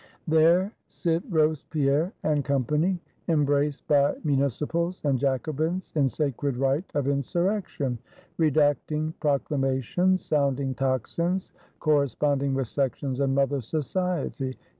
There sit Robespierre and Com pany, embraced by Municipals and Jacobins, in sacred right of Insurrection; redacting Proclamations; sound ing tocsins; corresponding with sections and Mother Society.